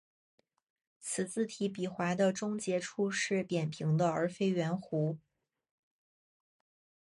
此字体笔画的终结处是扁平的而非圆弧。